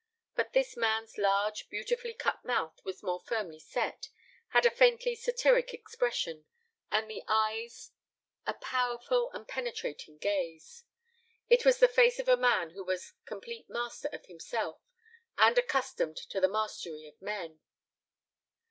But this man's large beautifully cut mouth was more firmly set, had a faintly satiric expression, and the eyes a powerful and penetrating gaze. It was the face of a man who was complete master of himself and accustomed to the mastery of men.